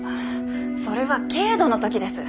それは軽度のときです。